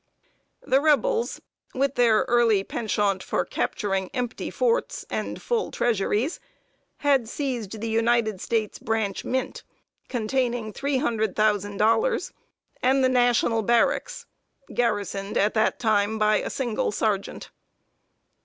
] The Rebels, with their early penchant for capturing empty forts and full treasuries, had seized the United States Branch Mint, containing three hundred thousand dollars, and the National barracks, garrisoned at the time by a single sergeant.